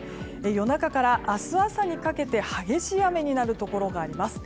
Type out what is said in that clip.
夜中から明日朝にかけて激しい雨になるところがあります。